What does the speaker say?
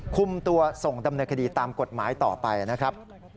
คุมตัวส่งดำเนินคดีตามกฎหมายต่อไปนะครับ